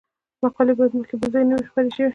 مقالې باید مخکې بل ځای نه وي خپرې شوې.